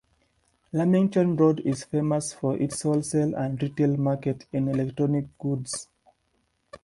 Lamington Road is famous for its wholesale and retail market in electronics goods.